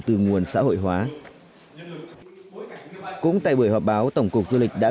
từ nguồn xã hội hóa cũng tại buổi họp báo tổng cục du lịch đã